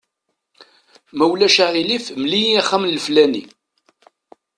Ma ulac aɣilif, mel-iyi axxam n leflani.